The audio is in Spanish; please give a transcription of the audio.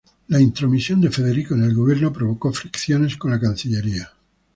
La intromisión de Federico en el gobierno provocó fricciones con la cancillería.